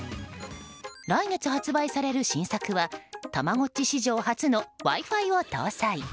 来月発売される新作はたまごっち史上初のＷｉ‐Ｆｉを搭載。